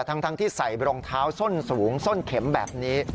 ทั้งที่ใส่รองเท้าส้นสูงส้นเข็มแบบนี้